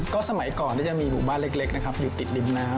ก็สมัยก่อนจะมีหมู่บ้านเล็กนะครับอยู่ติดริมน้ำ